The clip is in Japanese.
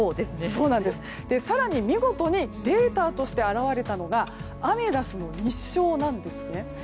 更に、見事にデータとして現れたのがアメダスの日照なんですね。